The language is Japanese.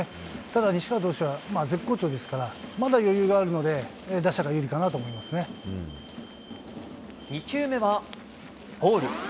ただ、西川選手は絶好調ですから、まだ余裕があるので、打者が有利２球目はボール。